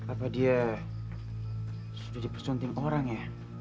apa dia sudah dipeson tim orang ya